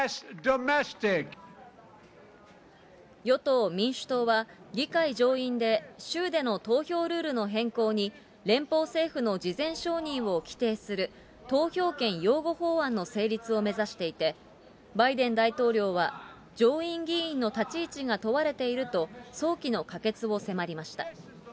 与党・民主党は、議会上院で州での投票ルールの変更に、連邦政府の事前承認を規定する投票権擁護法案の成立を目指していて、バイデン大統領は上院議員の立ち位置が問われていると、早期の可決を迫りました。